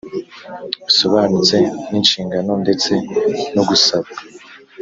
busobanutse n inshingano ndetse no gusaba